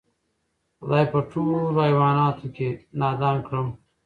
خدای په ټولوحیوانانو کی نادان کړم